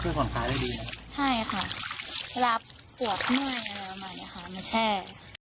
ช่วยก่อนตายได้ดีใช่ค่ะรับหัวผ้าเมื่อยาวใหม่ค่ะมาแช่